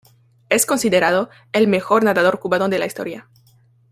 Es considerado el mejor nadador cubano de la historia.